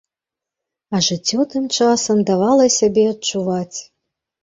А жыццё тым часам давала сябе адчуваць.